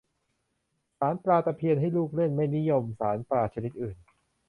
สานปลาตะเพียนให้ลูกเล่น ไม่นิยมสานปลาชนิดอื่น